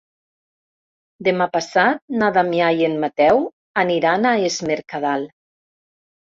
Demà passat na Damià i en Mateu aniran a Es Mercadal.